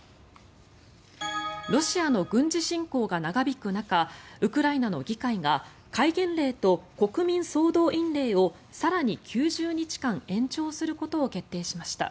ロシアの軍事侵攻が長引く中ウクライナの議会が戒厳令と国民総動員令を更に９０日間延長することを決定しました。